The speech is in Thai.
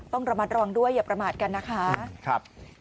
ต้องระมัดระวังด้วยอย่าประมาทกันนะคะ